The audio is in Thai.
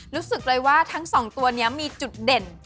รู้สึกเลยว่าทั้งสองตัวนี้มีจุดเด่น